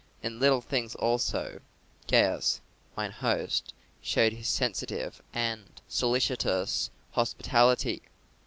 In little things also Gaius, mine host, showed his sensitive and solicitous hospitality.